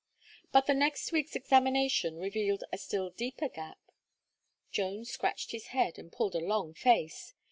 But the next week's examination revealed a still deeper gap. Jones scratched his head, and pulled a long face.